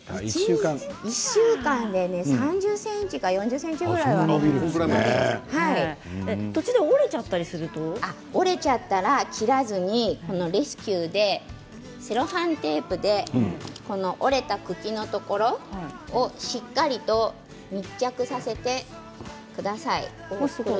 １週間で３０ｃｍか途中で折れちゃったら切らずにレスキューでセロハンテープで折れた茎のところをしっかりと密着させてください。